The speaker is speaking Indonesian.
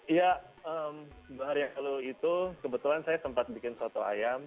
iya dua hari yang lalu itu kebetulan saya sempat bikin soto ayam